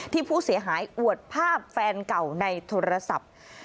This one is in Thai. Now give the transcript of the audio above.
ที่ผู้เสียหายอวดภาพแฟนเก่าในโทรศัพท์